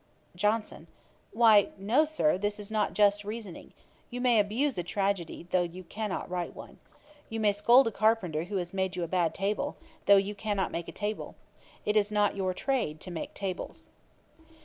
JOHNSON. 'Why no, Sir; this is not just reasoning. You may abuse a tragedy, though you cannot write one. You may scold a carpenter who has made you a bad table, though you cannot make a table. It is not your trade to make tables.'